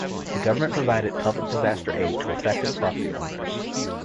The government provided public disaster aid to affected property owners.